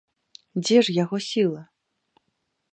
Дзе ж яго сіла?